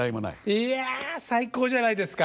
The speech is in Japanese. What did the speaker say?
いや最高じゃないですか。